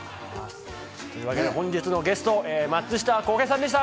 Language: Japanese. というわけで本日のゲスト・松下洸平さんでした！